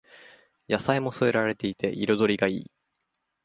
野菜も添えられていて彩りがいい